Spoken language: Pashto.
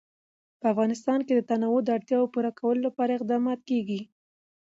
په افغانستان کې د تنوع د اړتیاوو پوره کولو لپاره اقدامات کېږي.